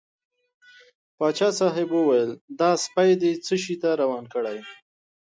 پاچا صاحب وویل دا سپی دې څه شي ته روان کړی.